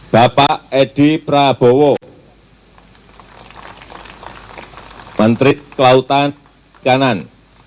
bapak edi prabowo menteri kelautan dan